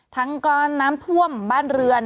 ทั้งก้อนน้ำท่วมบ้านเรือน